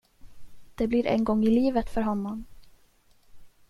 Det blir en gång i livet för honom.